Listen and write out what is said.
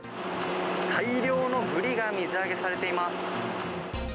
大量のブリが水揚げされています。